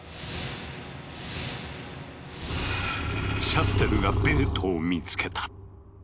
シャステルがベートを見つけた。